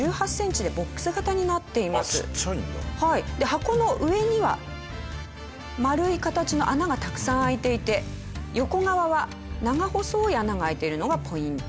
箱の上には丸い形の穴がたくさん開いていて横側は長細い穴が開いているのがポイント。